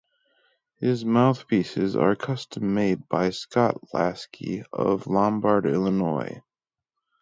His mouthpieces are custom-made by Scott Laskey, of Lombard, Illinois.